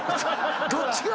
どっちが。